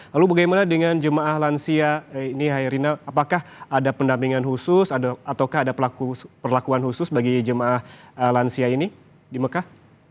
lalu bagaimana dengan jemaah lansia ini hairina apakah ada pendampingan khusus ataukah ada perlakuan khusus bagi jemaah lansia ini di mekah